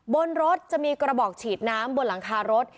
บนรถจะมีกระบอกฉีดน้ำบนหลังคารถ